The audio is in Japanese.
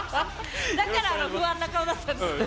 だからあの不安な顔だったんですね。